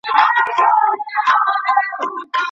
ډال د مخ ساتلو لپاره څه دی؟